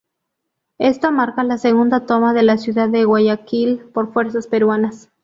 Esto marca la segunda toma de la ciudad de Guayaquil por fuerzas peruanas.